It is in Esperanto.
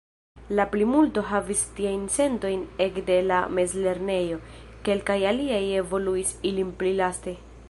La plimulto havis tiajn sentojn ekde la mezlernejo; kelkaj aliaj evoluis ilin pli laste.